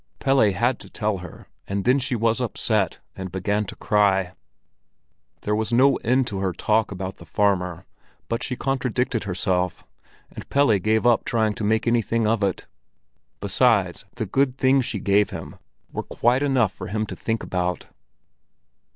Pelle had to tell her, and then she was upset and began to cry. There was no end to her talk about the farmer, but she contradicted herself, and Pelle gave up trying to make anything of it. Besides, the good things she gave him were quite enough for him to think about.